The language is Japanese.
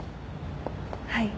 はい。